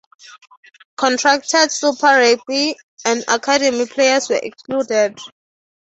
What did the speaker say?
Contracted Super Rugby and academy players were excluded.